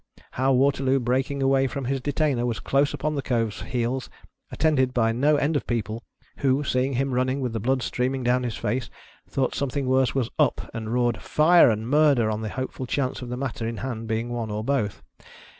How Water loo breaking away from his detainer was close upon the Cove's heels, attended by no end of people who, seeing him running with the blood streaming down his face, thought something worse was " up," and roared Fire ! and Murder ! on the hopeful chance of the matter in hand being one or both.